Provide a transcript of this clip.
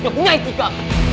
nggak punya etika